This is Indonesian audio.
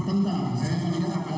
kalau saya yakin